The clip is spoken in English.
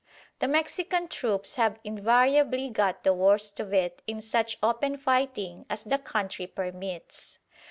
The Mexican troops have invariably got the worst of it in such open fighting as the country permits.